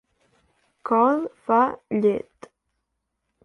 Col fa llet.